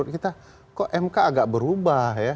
kita kok mk agak berubah ya